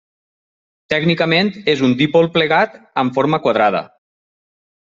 Tècnicament és un dipol plegat amb forma quadrada.